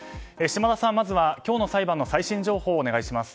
嶋田さん、まずは今日の裁判の最新情報をお願いします。